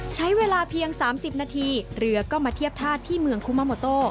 ใช้เวลาเพียง๓๐นาทีเรือก็มาเทียบท่าที่เมืองคุมาโมโต